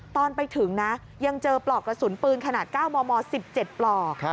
ตอนไปถึงนะยังเจอปลอกกระสุนปืนขนาด๙มม๑๗ปลอก